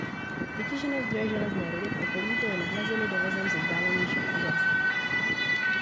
Vytěžené zdroje železné rudy v okolí byly nahrazeny dovozem ze vzdálenějších oblastí.